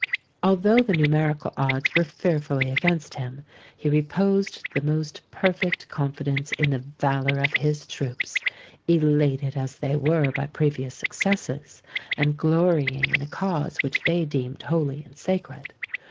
Although the numerical odds were fearfully against him, he reposed the most perfect confidence in the valour of his troops—elated as they were by previous successes, and glorying in a cause which they deemed holy and sacred.